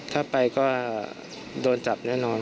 ถ้าไปก็โดนจับแน่นอน